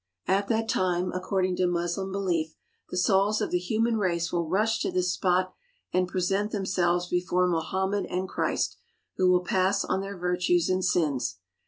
At that time, according to Moslem belief, the souls of the human race will rush to this spot and present themselves before Mohammed and Christ, who will pass on their virtues and sins.